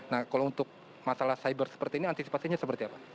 nah kalau untuk masalah cyber seperti ini antisipasinya seperti apa